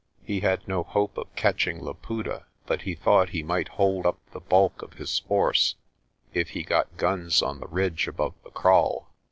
He had no hope of catching Laputa but he thought he might hold up the bulk of his force if he got guns on the ridge above the kraal.